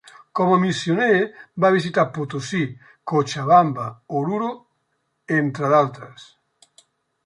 Com a missioner va visitar Potosí, Cochabamba, Oruro, entre d'altres.